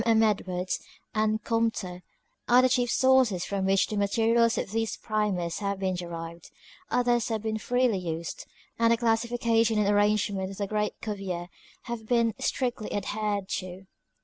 M. Bklwards and Comte are the chief sooroet from which the materials of these Primers have been derived, others have been freely used, and the classification and arrangement of the great Cuvier, have been strictly adhered to.